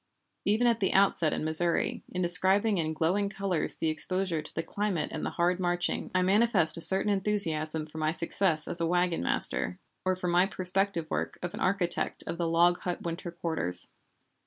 Even at the outset in Missouri, in describing in glowing colors the exposure to the climate and the hard marching, I manifest a certain enthusiasm for my success as a wagon master, or for my prospective work of an architect of the log hut winter quarters.